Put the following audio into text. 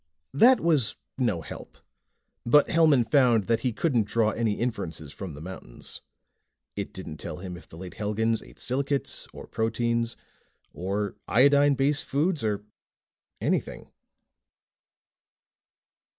That was no help. But Hellman found that he couldn't draw any inferences from the mountains. It didn't tell him if the late Helgans ate silicates or proteins or iodine base foods or anything.